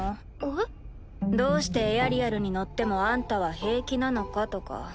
えっ？どうしてエアリアルに乗ってもあんたは平気なのかとか。